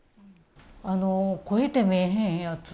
あの肥えて見えへんやつ。